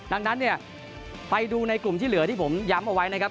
ดังนั้นเนี่ยไปดูในกลุ่มที่เหลือที่ผมย้ำเอาไว้นะครับ